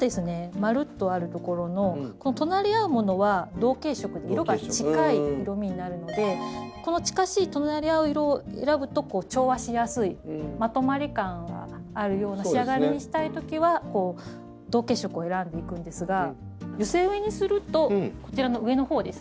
まるっとある所の隣り合うものは同系色で色が近い色みになるのでこの近しい隣り合う色を選ぶと調和しやすいまとまり感があるような仕上がりにしたいときは同系色を選んでいくんですが寄せ植えにするとこちらの上のほうですね。